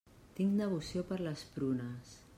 Tinc devoció per les prunes.